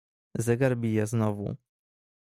"Zegar bije znowu."